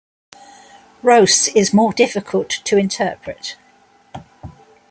Ros is more difficult to interpret.